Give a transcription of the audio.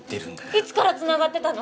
いつからつながってたの？